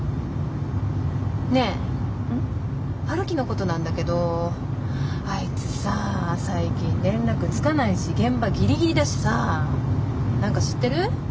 陽樹のことなんだけどあいつさ最近連絡つかないし現場ギリギリだしさ何か知ってる？